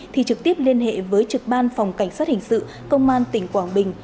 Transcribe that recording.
thì trực tiếp liên hệ với trực ban phòng cảnh sát hình sự công an tỉnh quảng bình